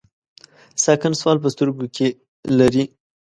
ساکن سوال په سترګو کې لري.